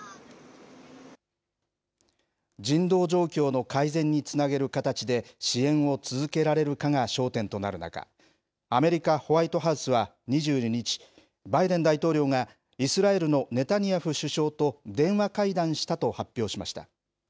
人道状況の改善につなげる形で、支援を続けられるかが焦点となる中、アメリカ・ホワイトハウスは２２日、バイデン大統領がイスラエルのネタニヤフ首相と電話会談したと発表しました。